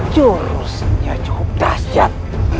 curusnya cukup dahsyat